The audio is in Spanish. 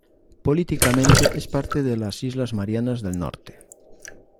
Políticamente es parte de las islas Marianas del Norte.